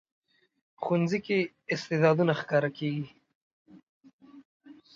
ښوونځی کې استعدادونه ښکاره کېږي